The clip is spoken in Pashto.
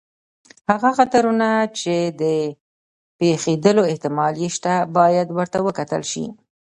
هغه خطرونه چې د پېښېدلو احتمال یې شته، باید ورته وکتل شي.